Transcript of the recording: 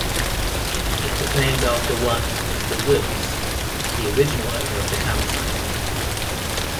It was named after one Mr. Wilkes, the original owner of the town site.